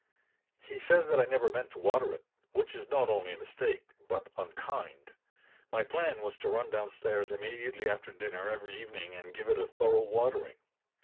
He says that I never meant to water it, which is not only a mistake, but unkind. My plan was to run downstairs immediately after dinner every evening and give it a thorough watering.